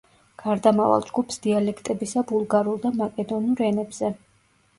გარდამავალ ჯგუფს დიალექტებისა ბულგარულ და მაკედონურ ენებზე.